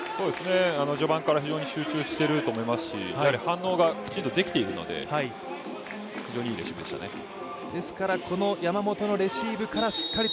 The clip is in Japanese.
序盤から非常に集中していると思いますしやはり反応がきちんとできているので非常にいいレシーブでしたね。